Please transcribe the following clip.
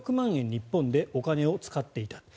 日本でお金を使っていた。